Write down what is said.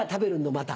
また。